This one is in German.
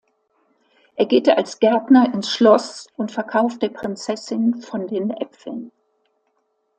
Er geht als Gärtner ins Schloss und verkauft der Prinzessin von den Äpfeln.